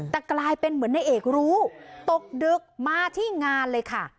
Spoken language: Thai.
แต่กลายเป็นเหมือนในเอกรู้ตกดึกมาที่งานเลยค่ะ